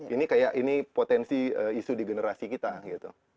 ini kayak ini potensi isu di generasi kita gitu